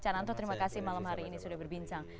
cananto terima kasih malam hari ini sudah berbincang